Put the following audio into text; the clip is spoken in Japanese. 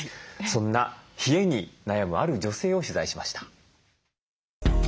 そんな冷えに悩むある女性を取材しました。